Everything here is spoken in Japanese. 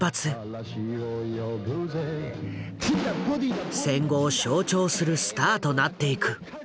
戦後を象徴するスターとなっていく。